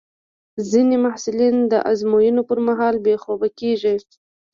ځینې محصلین د ازموینو پر مهال بې خوبه کېږي.